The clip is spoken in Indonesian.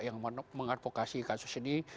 yang mengadvokasi kasus ini